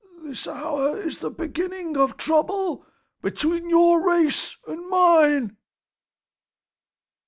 This hour is the beginning of trouble between your race and mine."